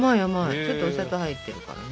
ちょっとお砂糖入ってるからね。